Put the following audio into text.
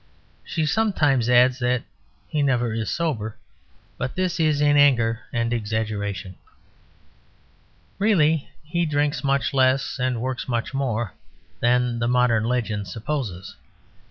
She sometimes adds that he never is sober; but this is in anger and exaggeration. Really he drinks much less and works much more than the modern legend supposes.